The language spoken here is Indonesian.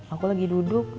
aku lagi duduk